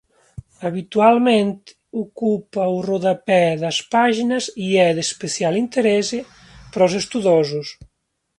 Habitualmente ocupa o rodapé das páxinas e é de especial interese para os estudosos.